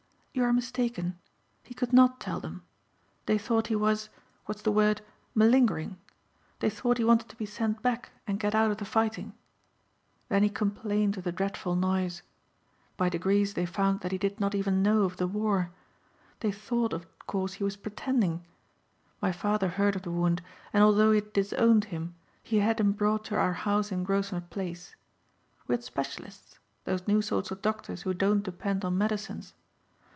"You are mistaken. He could not tell them. They thought he was, what's the word, malingering. They thought he wanted to be sent back and get out of the fighting. Then he complained of the dreadful noise. By degrees they found that he did not even know of the war. They thought of course he was pretending. My father heard of the wound and although he had disowned him he had him brought to our house in Grosvenor Place. We had specialists, those new sorts of doctors who don't depend on medicines.